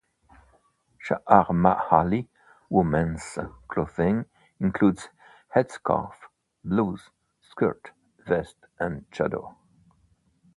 Chaharmahali women's clothing includes head scarf, blouse, skirt, vest and Chador.